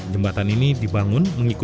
jembatan ini dibangun menggunakan